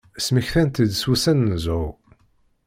Smektan-tt-id s wussan n zzhu.